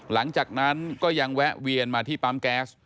หลังจากนั้นก็ยังแวะเวียนมาที่ปั๊มแก๊ส